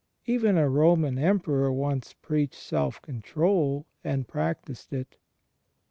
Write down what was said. Even a Roman Emperor once preached self control, and practised it.